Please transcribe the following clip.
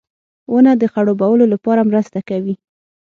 • ونه د خړوبولو لپاره مرسته کوي.